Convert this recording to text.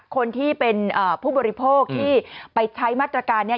คนที่เป็นผู้บริโภคที่ไปใช้มาตรการนี้